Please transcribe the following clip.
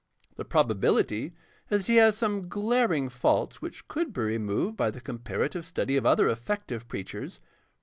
The probability is that he has some glaring faults which could be removed by the comparative study of other effective preachers.